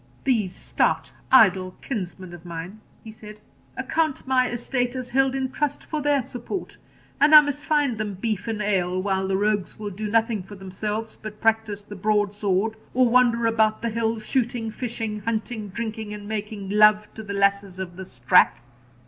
'These stout idle kinsmen of mine,' he said, 'account my estate as held in trust for their support; and I must find them beef and ale, while the rogues will do nothing for themselves but practise the broadsword, or wander about the hills, shooting, fishing, hunting, drinking, and making love to the lasses of the strath.